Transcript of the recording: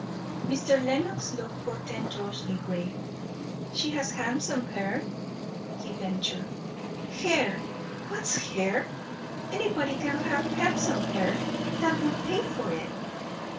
Mr. Lenox looked portentously grave. "She has handsome hair," he ventured. "Hair! What's hair! Anybody can have handsome hair, that will pay for it."